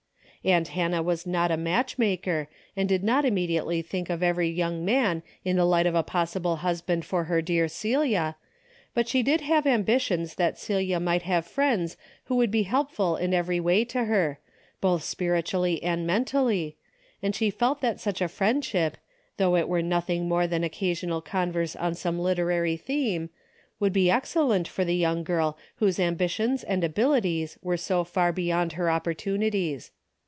Aunt Hannah was not a match maker, and did not immediately think of every young man in the light of a possible husband for her dear Celia, but she did have ambitions that Celia might have friends who would be helpful in every way to her, both spiritually and mentally, and she felt that such a friendship, though it were nothing more than occasional converse on some liter ary theme, would be excellent for the young girl whose ambitions and abilities were so far beyond her opportunities.